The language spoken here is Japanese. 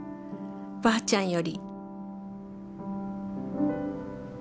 ばあちゃんより」。